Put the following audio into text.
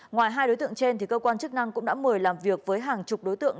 ngoài hai đối tượng trên cơ quan chức năng cũng đã mời làm việc với hàng chục đối tượng